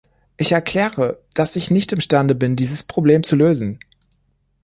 Ich erkläre, dass ich nicht imstande bin, dieses Problem zulösen.